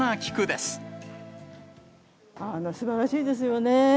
すばらしいですよね。